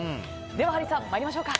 では、ハリーさん参りましょうか。